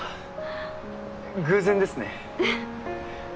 偶然ですね。